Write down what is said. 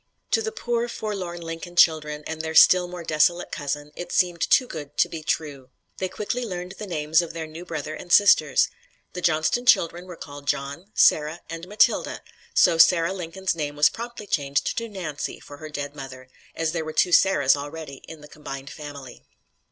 To the poor forlorn Lincoln children and their still more desolate cousin, it seemed too good to be true. They quickly learned the names of their new brother and sisters. The Johnston children were called John, Sarah and Matilda, so Sarah Lincoln's name was promptly changed to Nancy for her dead mother, as there were two Sarahs already in the combined family.